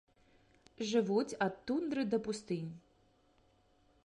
Жывуць ад тундры да пустынь.